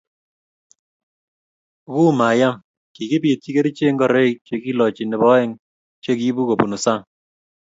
ku mayam, kikipiitji kerichek ngoroik che kilochi nebo oeng' che kiibu kubunu sang'